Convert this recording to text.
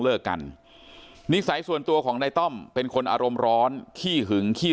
เลิกกันนิสัยส่วนตัวของนายต้อมเป็นคนอารมณ์ร้อนขี้หึงขี้